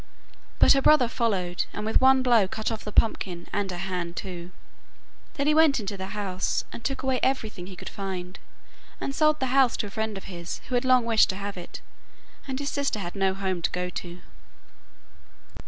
But her brother followed, and with one blow cut off the pumpkin and her hand too. Then he went into the house and took away everything he could find, and sold the house to a friend of his who had long wished to have it, and his sister had no home to go to.